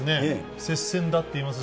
接戦だって言いますし。